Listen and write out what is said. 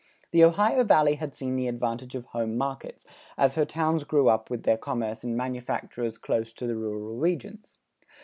The Ohio Valley had seen the advantage of home markets, as her towns grew up with their commerce and manufacturers close to the rural regions.